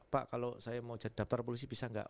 pak kalau saya mau jadi daftar polisi bisa gak